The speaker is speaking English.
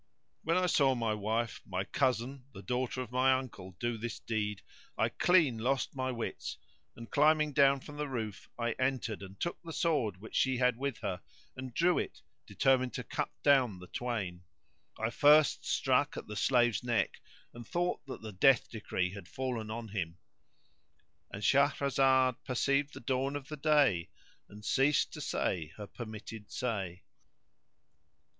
When I saw my wife, my cousin, the daughter of my uncle, do this deed[FN#124] I clean lost my wits, and climbing down from the roof, I entered and took the sword which she had with her and drew it, determined to cut down the twain. I first struck at the slave's neck and thought that the death decree had fallen on him:"And Shahrazad perceived the dawn of day and ceased to say her permitted say.